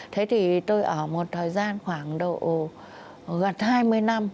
thế thì tôi ở một thời gian khoảng độ gần hai mươi năm